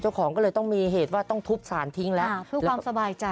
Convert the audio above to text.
เจ้าของก็เลยต้องมีเหตุว่าต้องทุบสารทิ้งแล้วเพื่อความสบายใจ